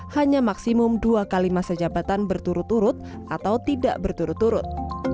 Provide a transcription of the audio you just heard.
hanya maksimum dua kali masa jabatan berturut turut atau tidak berturut turut